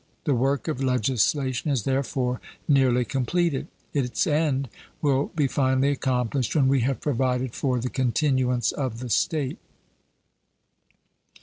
The work of legislation is therefore nearly completed; its end will be finally accomplished when we have provided for the continuance of the state.